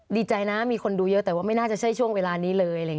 ดีใจนะมีคนดูเยอะแต่ว่าไม่น่าจะใช่ช่วงเวลานี้เลย